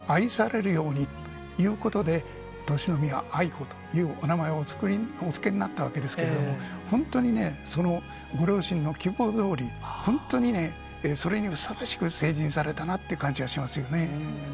人を敬い、人を愛し、人からも愛されるようにということで、敬宮愛子というお名前をお付けになったわけですけれども、本当にね、そのご両親の希望どおり、本当にそれにふさわしく成人されたなっていう感じがしますよね。